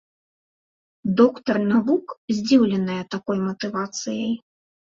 Доктар навук здзіўленая такой матывацыяй.